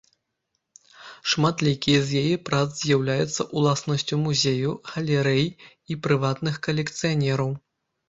Шматлікія з яе прац з'яўляюцца ўласнасцю музеяў, галерэй і прыватных калекцыянераў.